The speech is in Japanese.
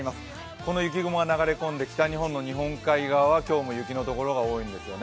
この雪雲が流れ込んできた日本の日本海側は今日も雪の所が多いんですよね。